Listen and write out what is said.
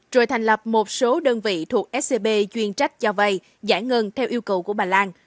rồi thành lập một số đơn vị thuộc scb chuyên trách cho vay giải ngân theo yêu cầu của bà lan